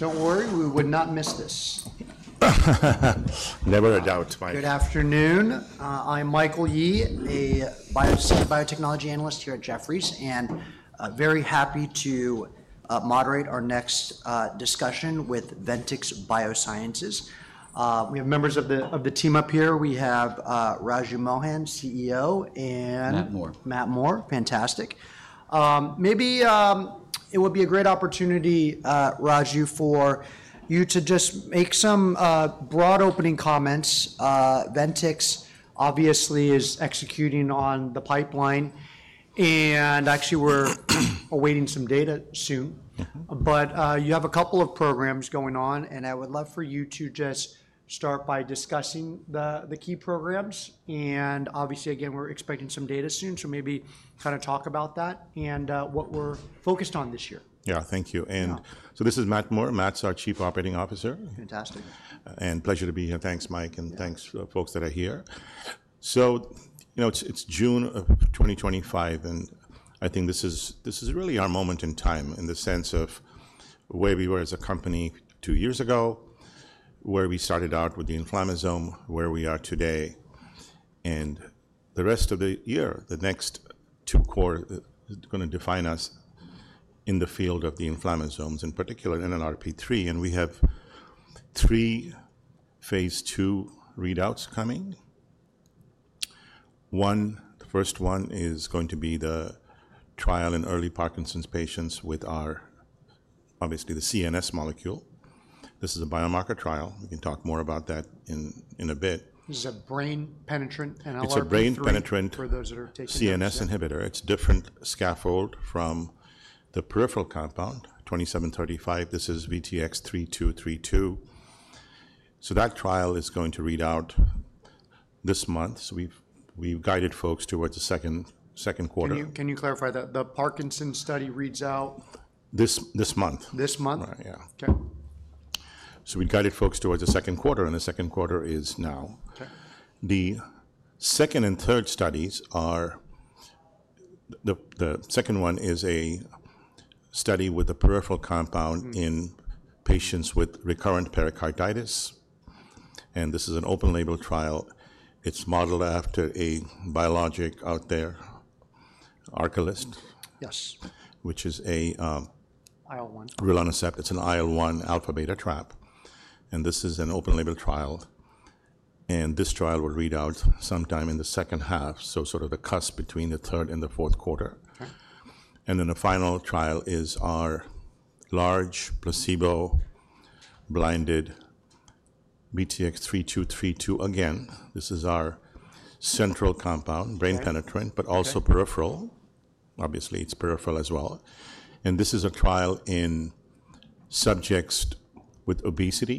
Don't worry, we would not miss this. Never a doubt, Mike. Good afternoon. I'm Michael Yi, a biotechnology analyst here at Jefferies, and very happy to moderate our next discussion with Ventyx Biosciences. We have members of the team up here. We have Raju Mohan, CEO, and. Matt Moore. Fantastic. Maybe it would be a great opportunity, Raju, for you to just make some broad opening comments. Ventyx obviously is executing on the pipeline, and actually we're awaiting some data soon. You have a couple of programs going on, and I would love for you to just start by discussing the key programs. Obviously, again, we're expecting some data soon, so maybe kind of talk about that and what we're focused on this year. Yeah, thank you. This is Matt Moore. Matt's our Chief Operating Officer. Fantastic. Pleasure to be here. Thanks, Mike, and thanks, folks that are here. It is June of 2025, and I think this is really our moment in time in the sense of where we were as a company two years ago, where we started out with the inflammasome, where we are today, and the rest of the year, the next two quarters is going to define us in the field of the inflammasomes in particular and in RP3. We have three phase two readouts coming. The first one is going to be the trial in early Parkinson's patients with our, obviously, the CNS molecule. This is a biomarker trial. We can talk more about that in a bit. This is a brain-penetrant analysis for those that are taking CNS inhibitor. It's a brain-penetrant inhibitor. It's a different scaffold from the peripheral compound, VTX2735. This is VTX3232. That trial is going to read out this month. We've guided folks towards the second quarter. Can you clarify that? The Parkinson's study reads out. This month. This month? Yeah. So we guided folks towards the second quarter, and the second quarter is now. The second and third studies are the second one is a study with the peripheral compound in patients with recurrent pericarditis. And this is an open-label trial. It's modeled after a biologic out there, Arcalyst, which is a. IL-1. Rilonacept. It's an IL-1 alpha beta trap. This is an open-label trial. This trial will read out sometime in the second half, sort of the cusp between the third and the fourth quarter. The final trial is our large placebo-blinded VTX3232. Again, this is our central compound, brain penetrant, but also peripheral. Obviously, it's peripheral as well. This is a trial in subjects with obesity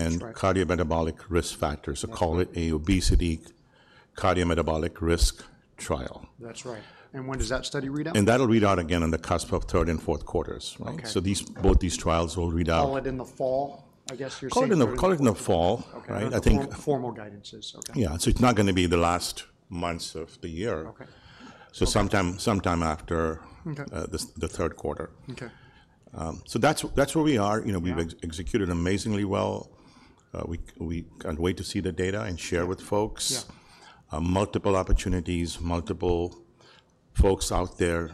and cardiometabolic risk factors. Call it an obesity cardiometabolic risk trial. That's right. When does that study read out? That'll read out again on the cusp of third and fourth quarters. Both these trials will read out. Call it in the fall, I guess you're saying. Call it in the fall. Okay. I think. Formal guidances. Okay. Yeah. It is not going to be the last months of the year. Sometime after the third quarter. That is where we are. We have executed amazingly well. We cannot wait to see the data and share with folks. Multiple opportunities, multiple folks out there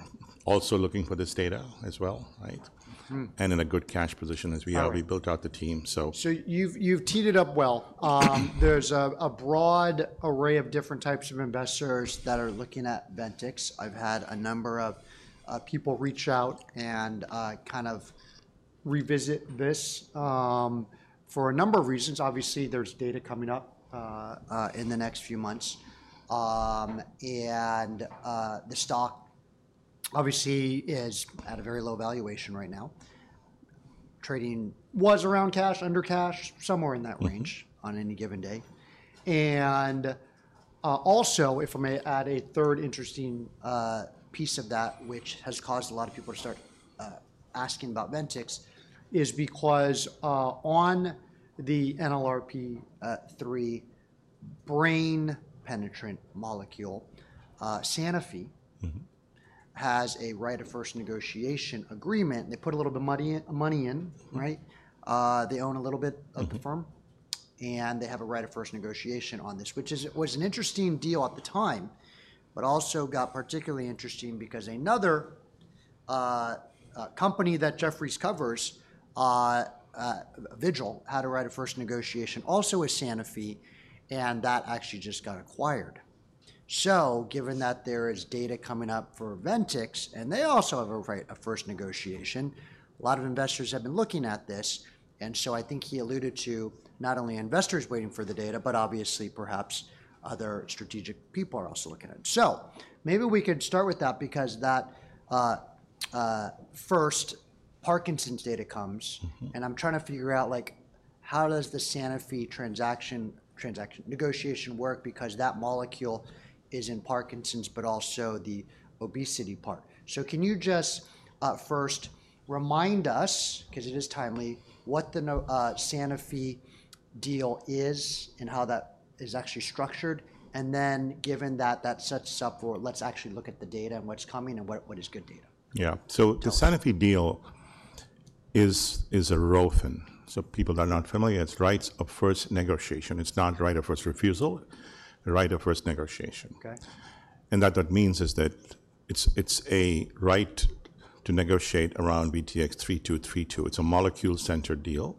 also looking for this data as well, right? In a good cash position as we are. We built out the team, so. You have teed it up well. There is a broad array of different types of investors that are looking at Ventyx. I have had a number of people reach out and kind of revisit this for a number of reasons. Obviously, there is data coming up in the next few months. The stock, obviously, is at a very low valuation right now. Trading was around cash, under cash, somewhere in that range on any given day. Also, if I may add a third interesting piece of that, which has caused a lot of people to start asking about Ventyx, is because on the NLRP3 brain penetrant molecule, Sanofi has a right of first negotiation agreement. They put a little bit of money in, right? They own a little bit of the firm, and they have a right of first negotiation on this, which was an interesting deal at the time, but also got particularly interesting because another company that Jefferies covers, Vigil, had a right of first negotiation also with Sanofi, and that actually just got acquired. Given that there is data coming up for Ventyx, and they also have a right of first negotiation, a lot of investors have been looking at this. I think he alluded to not only investors waiting for the data, but obviously, perhaps other strategic people are also looking at it. Maybe we could start with that because that first Parkinson's data comes, and I'm trying to figure out how does the Sanofi transaction negotiation work because that molecule is in Parkinson's, but also the obesity part. Can you just first remind us, because it is timely, what the Sanofi deal is and how that is actually structured? Then given that, that sets us up for let's actually look at the data and what's coming and what is good data. Yeah. The Sanofi deal is a ROFN. For people that are not familiar, it is Rights of First Negotiation. It is not Right of First Refusal, Right of First Negotiation. What that means is that it is a right to negotiate around VTX3232. It is a molecule-centered deal.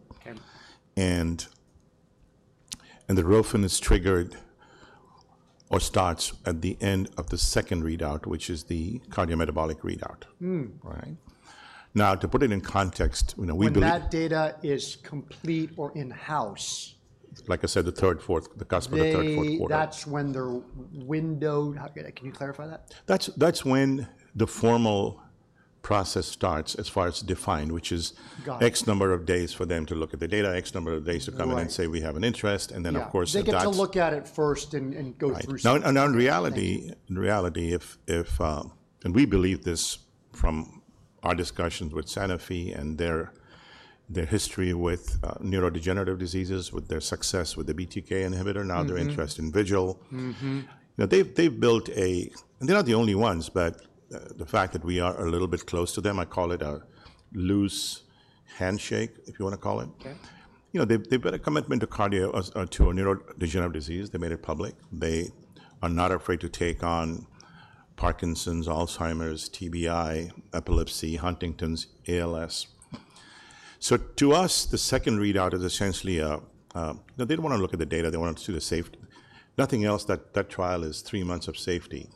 The ROFN is triggered or starts at the end of the second readout, which is the cardiometabolic readout. Now, to put it in context, we believe. When that data is complete or in-house. Like I said, the third, fourth, the cusp of the third, fourth quarter. That is when they are windowed. Can you clarify that? That's when the formal process starts as far as defined, which is X number of days for them to look at the data, X number of days to come in and say, "We have an interest." Of course, it does. They get to look at it first and go through something. Now, in reality, and we believe this from our discussions with Sanofi and their history with neurodegenerative diseases, with their success with the BTK inhibitor, now their interest in Vigil. They've built a, and they're not the only ones, but the fact that we are a little bit close to them, I call it a loose handshake, if you want to call it. They've got a commitment to a neurodegenerative disease. They made it public. They are not afraid to take on Parkinson's, Alzheimer's, TBI, epilepsy, Huntington's, ALS. To us, the second readout is essentially a, they do not want to look at the data. They want to see the safety. Nothing else. That trial is three months of safety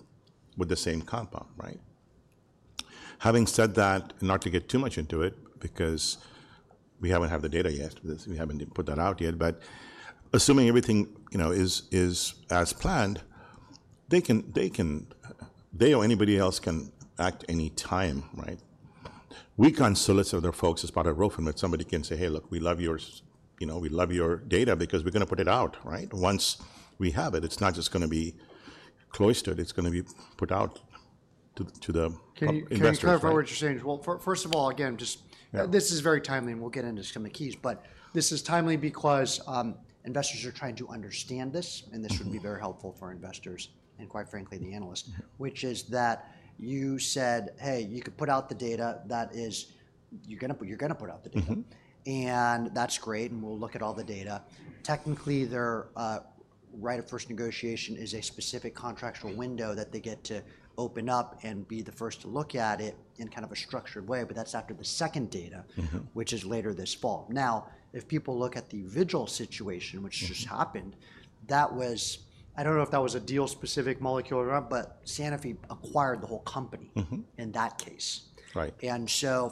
with the same compound, right? Having said that, not to get too much into it because we have not had the data yet. We have not put that out yet. Assuming everything is as planned, they or anybody else can act any time, right? We can't solicit other folks as part of ROFN, but somebody can say, "Hey, look, we love your data because we're going to put it out," right? Once we have it, it's not just going to be cloistered. It's going to be put out to the investors. Can you clarify what you're saying? First of all, again, this is very timely, and we'll get into some of the keys. This is timely because investors are trying to understand this, and this would be very helpful for investors and, quite frankly, the analysts, which is that you said, "Hey, you could put out the data that is, you're going to put out the data." That's great, and we'll look at all the data. Technically, their right of first negotiation is a specific contractual window that they get to open up and be the first to look at it in kind of a structured way, but that's after the second data, which is later this fall. Now, if people look at the Vigil situation, which just happened, that was, I don't know if that was a deal-specific molecule or not, but Sanofi acquired the whole company in that case.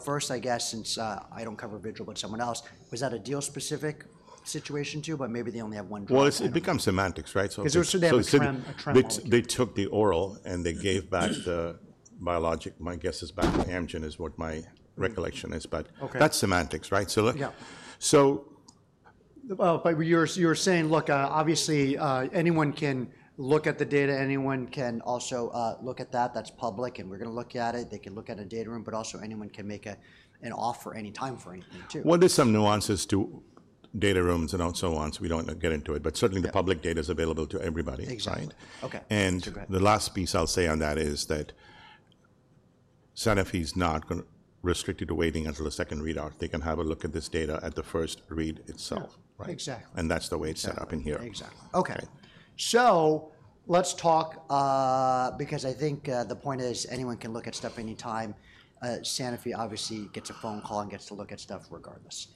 First, I guess, since I don't cover Vigil, but someone else, was that a deal-specific situation too, but maybe they only have one drug. It becomes semantics, right? Because they're so damn traumatic. They took the oral, and they gave back the biologic, my guess is back to Amgen is what my recollection is, but that's semantics, right? Yeah. You're saying, look, obviously, anyone can look at the data. Anyone can also look at that. That's public, and we're going to look at it. They can look at a data room, but also anyone can make an offer anytime for anything too. There are some nuances to data rooms and so on, so we do not get into it. Certainly, the public data is available to everybody, right? Exactly. Okay. The last piece I'll say on that is that Sanofi is not restricted to waiting until the second readout. They can have a look at this data at the first read itself. Exactly. That is the way it's set up in here. Exactly. Okay. Let's talk, because I think the point is anyone can look at stuff anytime. Sanofi obviously gets a phone call and gets to look at stuff regardless.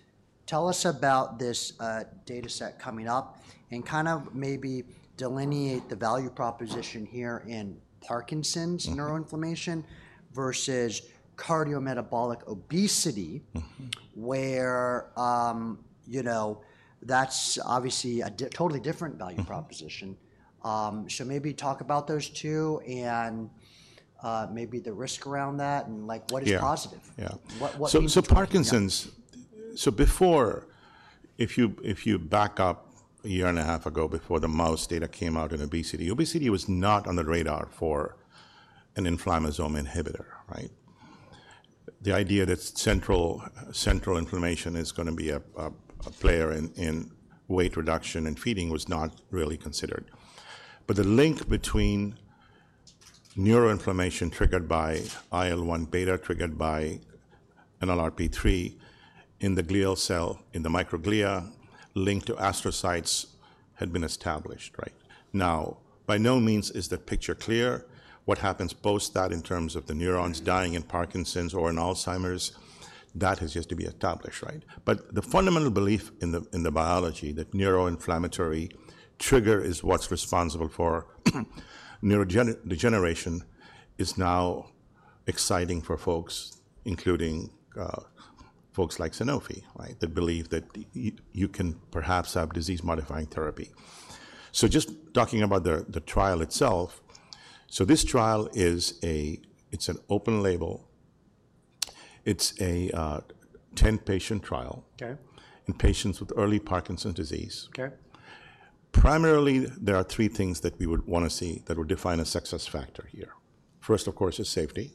Tell us about this dataset coming up and kind of maybe delineate the value proposition here in Parkinson's neuroinflammation versus cardiometabolic obesity, where that's obviously a totally different value proposition. Maybe talk about those two and maybe the risk around that and what is positive. Yeah. If you back up a year and a half ago, before the mouse data came out in obesity, obesity was not on the radar for an inflammasome inhibitor, right? The idea that central inflammation is going to be a player in weight reduction and feeding was not really considered. The link between neuroinflammation triggered by IL-1 beta triggered by NLRP3 in the glial cell in the microglia linked to astrocytes had been established, right? By no means is the picture clear. What happens post that in terms of the neurons dying in Parkinson's or in Alzheimer's, that has yet to be established, right? The fundamental belief in the biology that neuroinflammatory trigger is what's responsible for neurodegeneration is now exciting for folks, including folks like Sanofi, right? That believe that you can perhaps have disease-modifying therapy. Just talking about the trial itself, this trial is an open label. It is a 10-patient trial in patients with early Parkinson's disease. Primarily, there are three things that we would want to see that would define a success factor here. First, of course, is safety.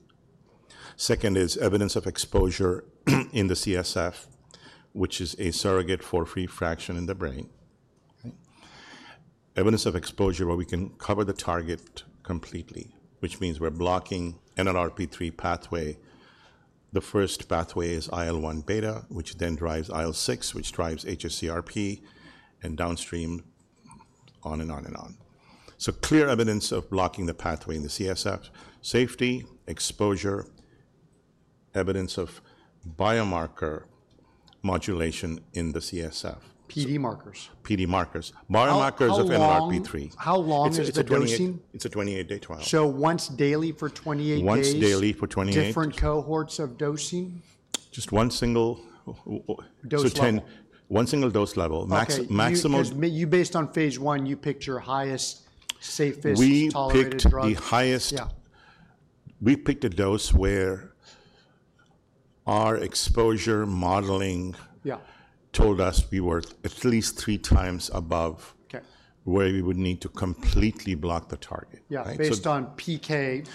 Second is evidence of exposure in the CSF, which is a surrogate for free fraction in the brain. Evidence of exposure where we can cover the target completely, which means we are blocking NLRP3 pathway. The first pathway is IL-1 beta, which then drives IL-6, which drives hsCRP and downstream on and on and on. Clear evidence of blocking the pathway in the CSF. Safety, exposure, evidence of biomarker modulation in the CSF. PD markers. PD markers. Biomarkers of NLRP3. How long is the dosing? It's a 28-day trial. Once daily for 28 days? Once daily for 28. Different cohorts of dosing? Just one single dose level. You, based on phase I, you picked your highest safest tolerance drug. We picked the highest. We picked a dose where our exposure modeling told us we were at least three times above where we would need to completely block the target. Yeah. Based on PK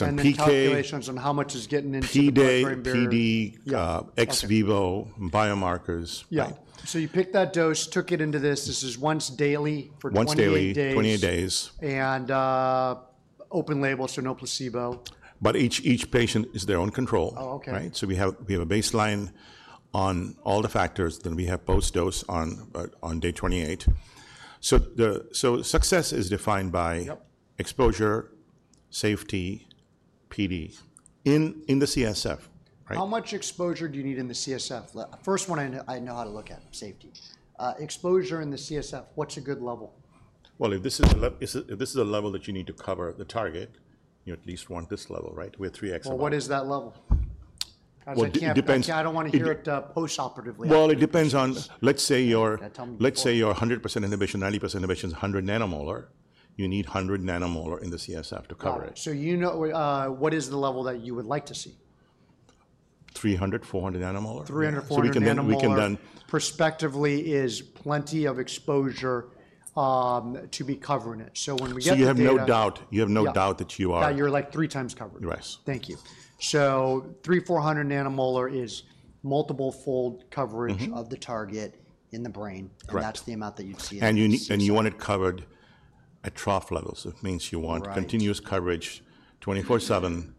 and calculations on how much is getting into the pipeline. PD, ex-vivo, biomarkers. Yeah. So you picked that dose, took it into this. This is once daily for 28 days. Once daily, 28 days. is open label, so no placebo. Each patient is their own control, right? We have a baseline on all the factors. We have post-dose on day 28. Success is defined by exposure, safety, PD in the CSF, right? How much exposure do you need in the CSF? First one, I know how to look at safety. Exposure in the CSF, what's a good level? If this is a level that you need to cover the target, you at least want this level, right? We have three X levels. What is that level? Because I can't really tell. I don't want to hear it post-operatively. It depends on, let's say your 100% inhibition, 90% inhibition is 100 nanomolar. You need 100 nanomolar in the CSF to cover it. You know what is the level that you would like to see? 300-400 nanomolar. 300, 400 nanomolar. Perspectively, is plenty of exposure to be covering it. When we get to the end. You have no doubt that you are. Now you're like three times covered. Yes. Thank you. 300, 400 nanomolar is multiple-fold coverage of the target in the brain. That's the amount that you'd see in the CSF. You want it covered at trough levels. It means you want continuous coverage 24/7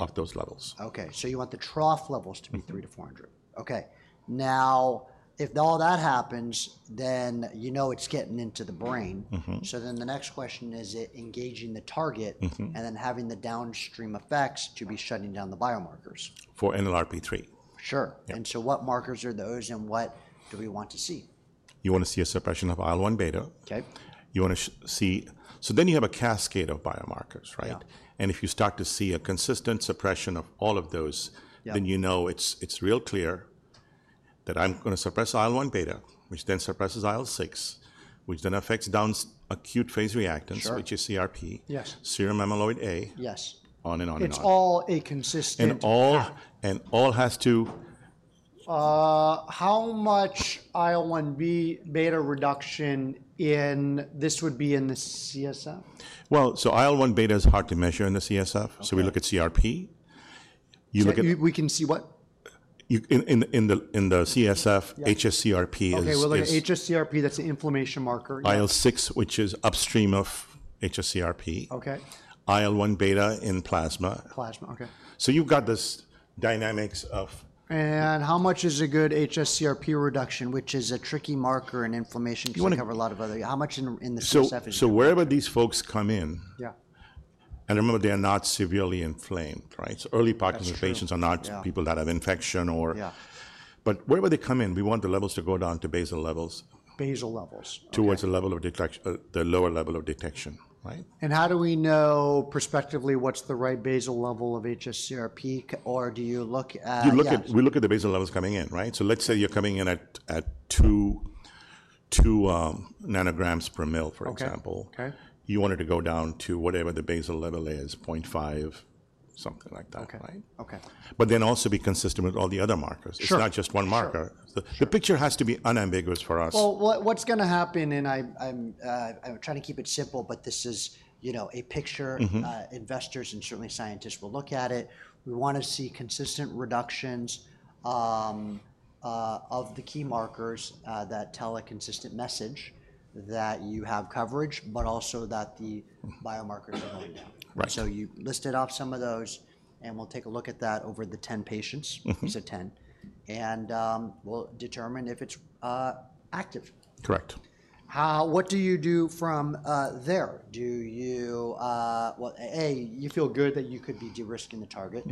of those levels. Okay. You want the trough levels to be 300-400. Okay. Now, if all that happens, then you know it's getting into the brain. The next question is engaging the target and then having the downstream effects to be shutting down the biomarkers. For NLRP3. Sure. What markers are those and what do we want to see? You want to see a suppression of IL-1 beta. You want to see, so then you have a cascade of biomarkers, right? If you start to see a consistent suppression of all of those, then you know it is real clear that I am going to suppress IL-1 beta, which then suppresses IL-6, which then affects down acute phase reactants, which is CRP, serum amyloid A, on and on and on. It's all consistent. All has to. How much IL-1 beta reduction in this would be in the CSF? IL-1 beta is hard to measure in the CSF. So we look at CRP. We can see what? In the CSF, hs-CRP is here. Okay, hs-CRP, that's an inflammation marker. IL-6, which is upstream of hs-CRP. IL-1 beta in plasma. Plasma. Okay. You have got this dynamics of. How much is a good hs-CRP reduction, which is a tricky marker in inflammation because we cover a lot of other? How much in the CSF is good? Wherever these folks come in, and remember they are not severely inflamed, right? Early Parkinson's patients are not people that have infection or, but wherever they come in, we want the levels to go down to basal levels. Basal levels. Towards the lower level of detection, right? How do we know perspectively what's the right basal level of hs-CRP, or do you look at? We look at the basal levels coming in, right? Let's say you're coming in at 2 nanograms per mil, for example. You want it to go down to whatever the basal level is, 0.5, something like that, right? It also has to be consistent with all the other markers. It's not just one marker. The picture has to be unambiguous for us. What's going to happen, and I'm trying to keep it simple, but this is a picture. Investors and certainly scientists will look at it. We want to see consistent reductions of the key markers that tell a consistent message that you have coverage, but also that the biomarkers are going down. You listed off some of those, and we'll take a look at that over the 10 patients. You said 10. And we'll determine if it's active. Correct. What do you do from there? Do you, A, you feel good that you could be de-risking the target.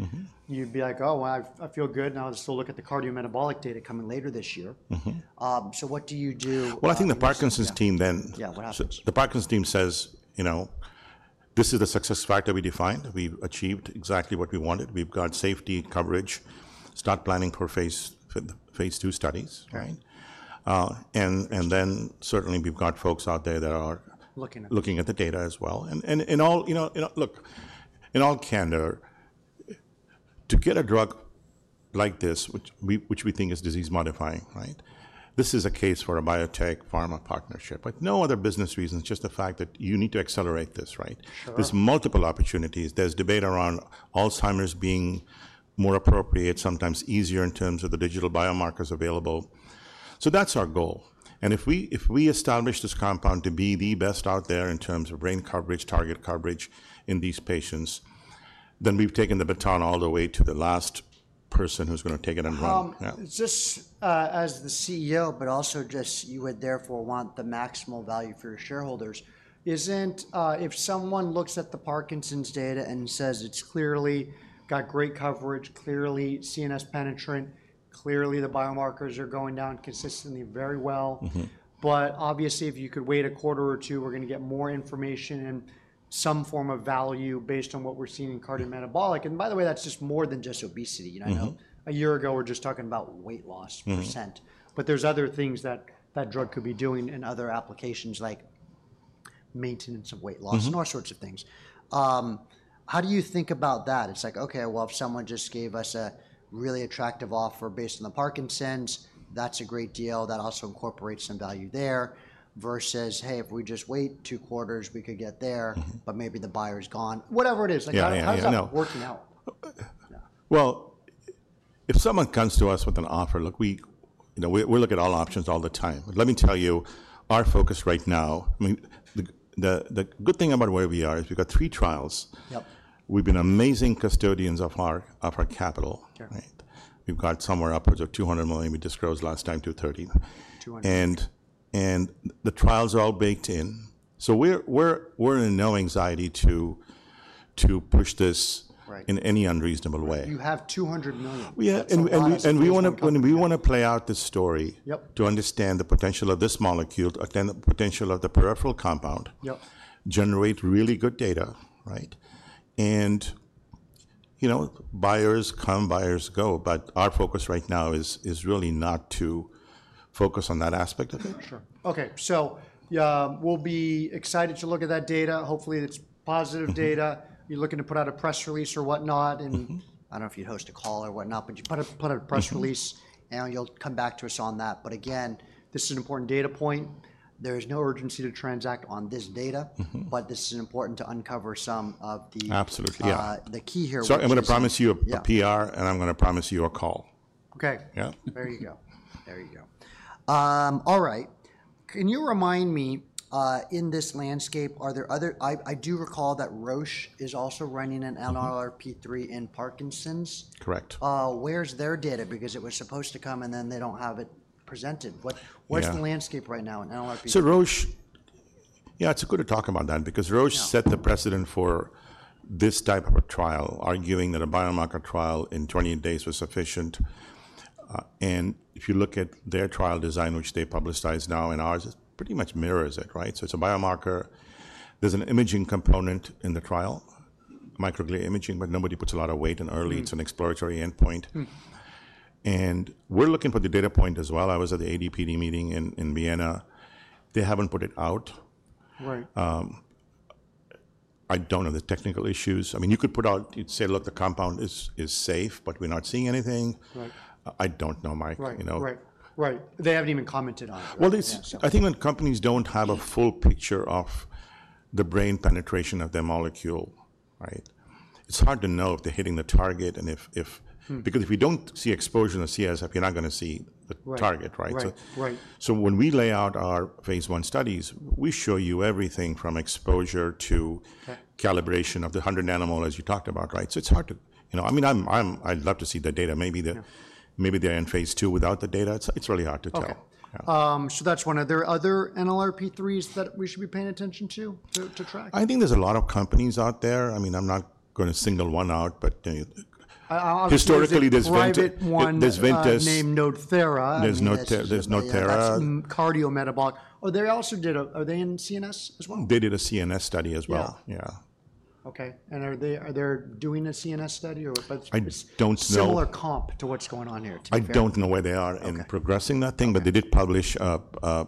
You'd be like, "Oh, I feel good. Now I'll just look at the cardiometabolic data coming later this year." What do you do? I think the Parkinson's team then, the Parkinson's team says, "This is the success factor we defined. We've achieved exactly what we wanted. We've got safety coverage. Start planning for phase two studies," right? Certainly we've got folks out there that are looking at the data as well. Look, in all candor, to get a drug like this, which we think is disease-modifying, right? This is a case for a biotech-pharma partnership, but no other business reasons, just the fact that you need to accelerate this, right? There's multiple opportunities. There's debate around Alzheimer's being more appropriate, sometimes easier in terms of the digital biomarkers available. That is our goal. If we establish this compound to be the best out there in terms of brain coverage, target coverage in these patients, then we've taken the baton all the way to the last person who's going to take it and run. Just as the CEO, but also just you would therefore want the maximal value for your shareholders. If someone looks at the Parkinson's data and says, "It's clearly got great coverage, clearly CNS penetrant, clearly the biomarkers are going down consistently very well." Obviously, if you could wait a quarter or two, we're going to get more information and some form of value based on what we're seeing in cardiometabolic. By the way, that's just more than just obesity. A year ago, we're just talking about weight loss %. There are other things that that drug could be doing in other applications like maintenance of weight loss and all sorts of things. How do you think about that? It's like, "Okay, well, if someone just gave us a really attractive offer based on the Parkinson's, that's a great deal. That also incorporates some value there. Versus, "Hey, if we just wait two quarters, we could get there, but maybe the buyer's gone." Whatever it is. How's that working out? If someone comes to us with an offer, look, we look at all options all the time. Let me tell you, our focus right now, the good thing about where we are is we've got three trials. We've been amazing custodians of our capital, right? We've got somewhere upwards of $200 million. We just closed last time $230 million. And the trials are all baked in. We are in no anxiety to push this in any unreasonable way. You have $200 million. Yeah. We want to play out this story to understand the potential of this molecule, the potential of the peripheral compound, generate really good data, right? Buyers come, buyers go, but our focus right now is really not to focus on that aspect of it. Sure. Okay. So we'll be excited to look at that data. Hopefully, it's positive data. You're looking to put out a press release or whatnot. I don't know if you'd host a call or whatnot, but put out a press release, and you'll come back to us on that. Again, this is an important data point. There is no urgency to transact on this data, but this is important to uncover some of the key here. I'm going to promise you a PR, and I'm going to promise you a call. Okay. There you go. All right. Can you remind me in this landscape, are there other I do recall that Roche is also running an NLRP3 in Parkinson's. Correct. Where's their data? Because it was supposed to come, and then they don't have it presented. What's the landscape right now in NLRP3? Roche, yeah, it's good to talk about that because Roche set the precedent for this type of a trial, arguing that a biomarker trial in 28 days was sufficient. If you look at their trial design, which they publicize now and ours, it pretty much mirrors it, right? It's a biomarker. There's an imaging component in the trial, microglia imaging, but nobody puts a lot of weight in early. It's an exploratory endpoint. We're looking for the data point as well. I was at the AD/PD meeting in Vienna. They haven't put it out. I don't know the technical issues. I mean, you could put out, you'd say, "Look, the compound is safe, but we're not seeing anything." I don't know, Mike. Right. Right. They haven't even commented on it. I think when companies do not have a full picture of the brain penetration of their molecule, right? It is hard to know if they are hitting the target and if because if we do not see exposure in the CSF, you are not going to see the target, right? When we lay out our phase one studies, we show you everything from exposure to calibration of the 100 nanomolar as you talked about, right? It is hard to, I mean, I would love to see the data. Maybe they are in phase two without the data. It is really hard to tell. Okay. So that's one. Are there other NLRP3s that we should be paying attention to, to track? I think there's a lot of companies out there. I mean, I'm not going to single one out, but historically, there's Ventyx. There's one with a name known, NodThera. There's no NodThera. That's cardiometabolic. Oh, they also did a, are they in CNS as well? They did a CNS study as well. Yeah. Okay. Are they doing a CNS study or what? I don't know. Similar comp to what's going on here. I don't know where they are in progressing that thing, but they did publish a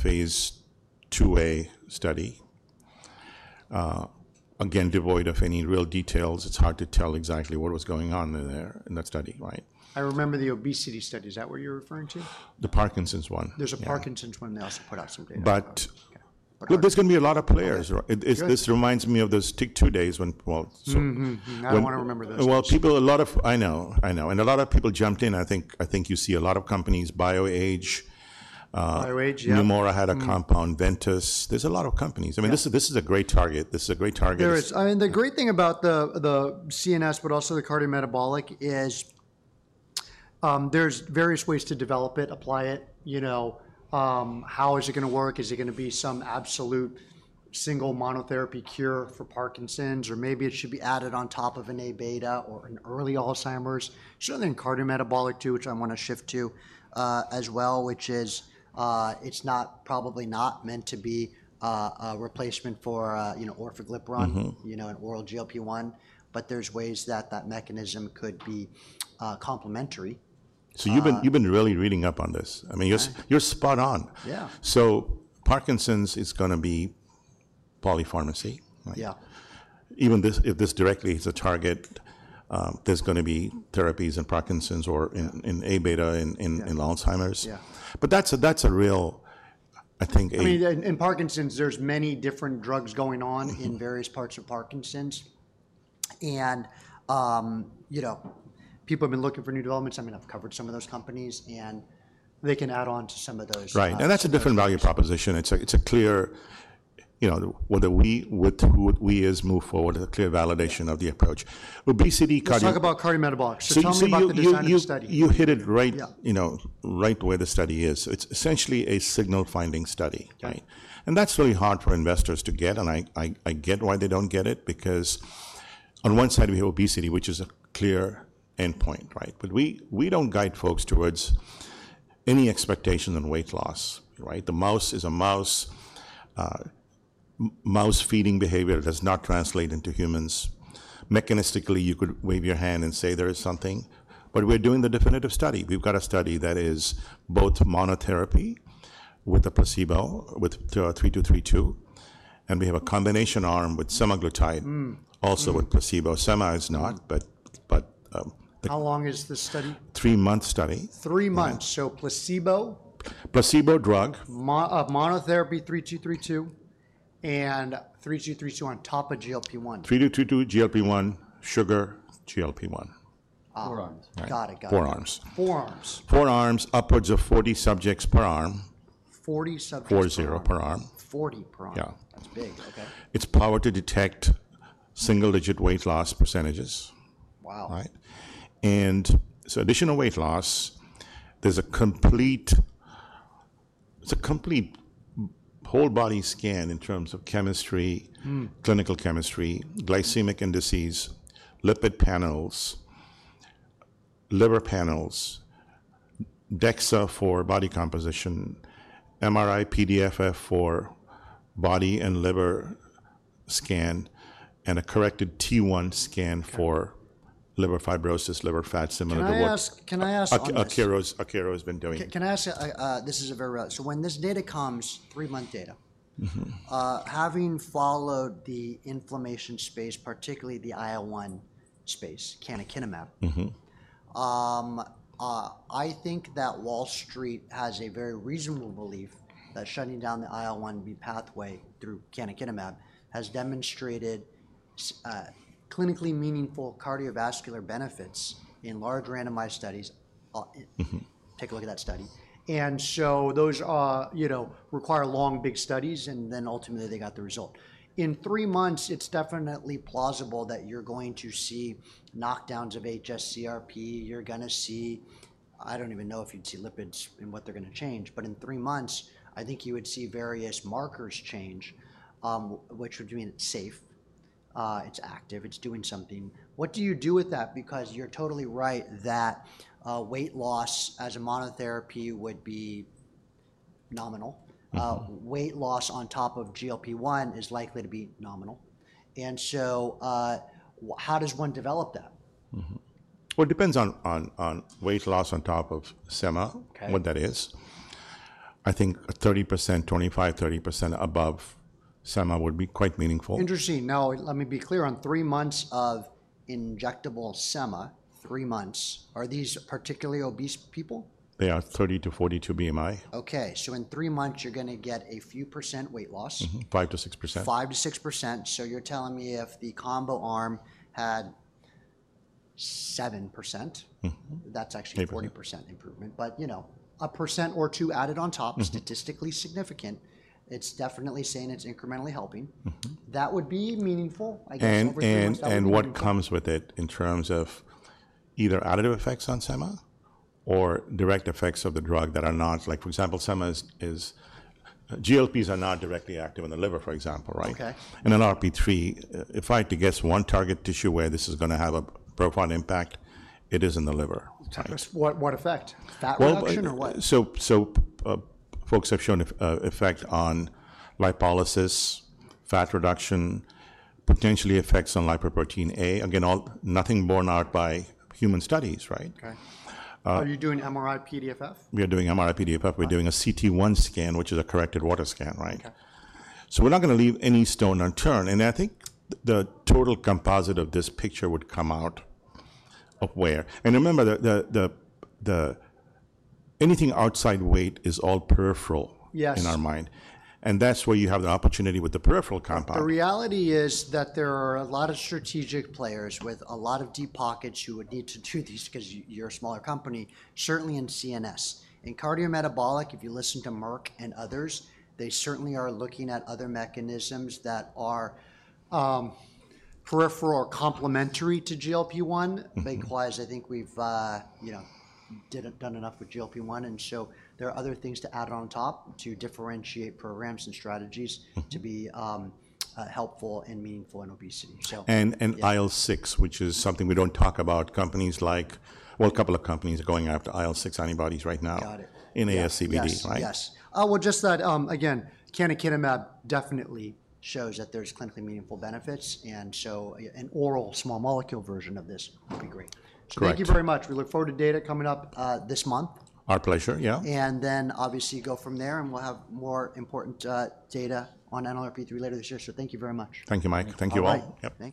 phase 2-a study. Again, devoid of any real details, it's hard to tell exactly what was going on in that study, right? I remember the obesity study. Is that what you're referring to? The Parkinson's one. There's a Parkinson's one. They also put out some data. There is going to be a lot of players. This reminds me of those TYK2 days when, well, so. I want to remember those. A lot of, I know, I know. And a lot of people jumped in. I think you see a lot of companies, BioAge. BioAge, yeah. Nimora had a compound, Ventyx. There are a lot of companies. I mean, this is a great target. This is a great target. There is. I mean, the great thing about the CNS, but also the cardiometabolic, is there's various ways to develop it, apply it. How is it going to work? Is it going to be some absolute single monotherapy cure for Parkinson's? Or maybe it should be added on top of an A beta or an early Alzheimer's. Certainly in cardiometabolic too, which I want to shift to as well, which is it's probably not meant to be a replacement for or for GLP-1 and oral GLP-1, but there's ways that that mechanism could be complementary. You've been really reading up on this. I mean, you're spot on. Parkinson's is going to be polypharmacy. Even if this directly is a target, there's going to be therapies in Parkinson's or in A beta in Alzheimer's. That's a real, I think. I mean, in Parkinson's, there's many different drugs going on in various parts of Parkinson's. People have been looking for new developments. I mean, I've covered some of those companies, and they can add on to some of those. Right. That is a different value proposition. It is clear whether we, with who we is, move forward, a clear validation of the approach. Obesity, cardiometabolic. Let's talk about cardiometabolic. Tell me about the design of the study. You hit it right where the study is. It's essentially a signal-finding study, right? That's really hard for investors to get. I get why they don't get it because on one side, we have obesity, which is a clear endpoint, right? We don't guide folks towards any expectations on weight loss, right? The mouse is a mouse. Mouse feeding behavior does not translate into humans. Mechanistically, you could wave your hand and say there is something. We're doing the definitive study. We've got a study that is both monotherapy with a placebo with 3232, and we have a combination arm with semaglutide, also with placebo. Sema is not, but the. How long is this study? Three-month study. Three months. Placebo. Placebo drug. Monotherapy 3232 and 3232 on top of GLP-1. 3232, GLP-1, sugar, GLP-1. Four arms. Got it. Got it. Four arms. Four arms. Four arms, upwards of 40 subjects per arm. 40 subjects. 40 per arm. 40 per arm. That's big. Okay. It's power to detect single-digit weight loss %. Wow. Right? And so additional weight loss, there's a complete whole body scan in terms of chemistry, clinical chemistry, glycemic indices, lipid panels, liver panels, DEXA for body composition, MRI PDFF for body and liver scan, and a corrected T1 scan for liver fibrosis, liver fat similar to what. Can I ask? Akero's been doing. Can I ask you, this is very rare. When this data comes, three-month data, having followed the inflammation space, particularly the IL-1 space, canakinumab, I think that Wall Street has a very reasonable belief that shutting down the IL-1 beta pathway through canakinumab has demonstrated clinically meaningful cardiovascular benefits in large randomized studies. Take a look at that study. Those require long, big studies, and ultimately they got the result. In three months, it's definitely plausible that you're going to see knockdowns of hs-CRP. You're going to see, I don't even know if you'd see lipids and what they're going to change, but in three months, I think you would see various markers change, which would mean it's safe, it's active, it's doing something. What do you do with that? Because you're totally right that weight loss as a monotherapy would be nominal. Weight loss on top of GLP-1 is likely to be nominal. How does one develop that? It depends on weight loss on top of Sema, what that is. I think 30%, 25%-30% above Sema would be quite meaningful. Interesting. Now, let me be clear on three months of injectable Sema, three months. Are these particularly obese people? They are 30-42 BMI. Okay. In three months, you're going to get a few % weight loss. 5%-6%. 5%-6%. You're telling me if the combo arm had 7%, that's actually a 40% improvement. But a percent or two added on top, statistically significant, it's definitely saying it's incrementally helping. That would be meaningful, I guess, over three months. What comes with it in terms of either additive effects on Sema or direct effects of the drug that are not, like for example, Sema's GLPs are not directly active in the liver, for example, right? NLRP3, if I had to guess one target tissue where this is going to have a profound impact, it is in the liver. What effect? Fat reduction or what? Folks have shown effect on lipolysis, fat reduction, potentially effects on lipoprotein A. Again, nothing borne out by human studies, right? Are you doing MRI PDFF? We are doing MRI PDFF. We're doing a CT-1 scan, which is a corrected water scan, right? We're not going to leave any stone unturned. I think the total composite of this picture would come out of where. Remember, anything outside weight is all peripheral in our mind. That's where you have the opportunity with the peripheral compound. The reality is that there are a lot of strategic players with a lot of deep pockets who would need to do these because you're a smaller company, certainly in CNS. In cardiometabolic, if you listen to Merck and others, they certainly are looking at other mechanisms that are peripheral or complementary to GLP-1. Likewise, I think we've done enough with GLP-1. There are other things to add on top to differentiate programs and strategies to be helpful and meaningful in obesity. IL-6, which is something we do not talk about. Companies like, well, a couple of companies are going after IL-6 antibodies right now in ASCVD, right? Yes. Just that, again, canakinumab definitely shows that there's clinically meaningful benefits. An oral small molecule version of this would be great. Correct. Thank you very much. We look forward to data coming up this month. Our pleasure, yeah. Obviously go from there, and we'll have more important data on NLRP3 later this year. Thank you very much. Thank you, Mike. Thank you all. Bye.